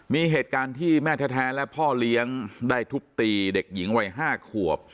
มีเหตุการณ์ที่แม่แท้และพ่อเลี้ยงได้ทุบตีเด็กหญิงวัย๕ขวบ